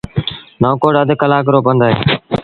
نئون ڪوٽ اڌ ڪلآڪ رو پند اهي